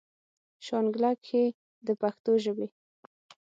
شانګله کښې د پښتو ژبې